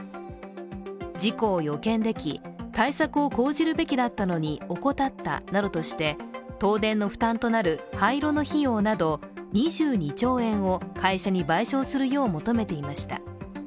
事故を予見でき対策を講じるべきだったのに怠ったなどとして、東電の負担となる廃炉の費用など、２２兆円を会社に賠償するよう求めていました。